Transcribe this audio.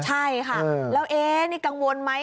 ใช่ค่ะแล้วนี่กังวลไหม